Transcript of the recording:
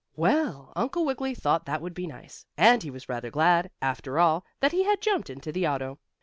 Well, Uncle Wiggily thought that would be nice, and he was rather glad, after all, that he had jumped into the auto.